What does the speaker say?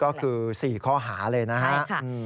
ก็คือ๔ข้อหาเลยนะฮะ